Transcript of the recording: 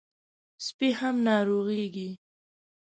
سپي هم ناروغېږي.